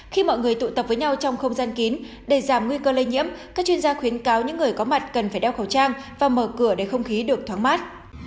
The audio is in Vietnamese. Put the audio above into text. khi mọi người tụ tập với nhau trong không gian kín để giảm nguy cơ lây nhiễm các chuyên gia khuyến cáo những người có mặt cần phải đeo khẩu trang và mở cửa để không khí được thoáng mát